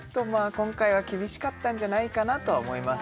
今回は厳しかったんじゃないかなとは思います